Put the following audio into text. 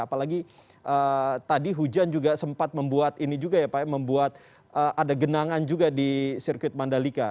apalagi tadi hujan juga sempat membuat ada genangan juga di sirkuit mandalika